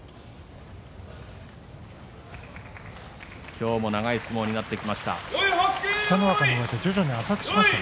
今日も長い相撲になってきました。